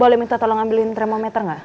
boleh minta tolong ambilin tremometer nggak ya